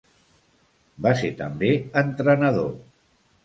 Va ser també entrenador.